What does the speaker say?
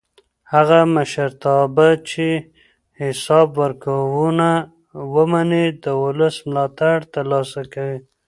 هغه مشرتابه چې حساب ورکوونه ومني د ولس ملاتړ تر لاسه کوي